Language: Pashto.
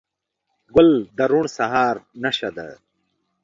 ګل د روڼ سهار نښه ده.